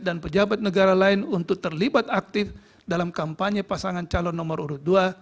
dan pejabat negara lain untuk terlibat aktif dalam kampanye pasangan calon nomor urut dua